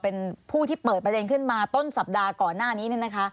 เป็นผู้ที่เปิดประเทศขึ้นมาต้นสัปดาห์ก่อนหน้านี้